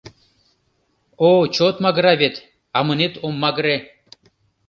О чот магыра вет, а мынет ом магыре.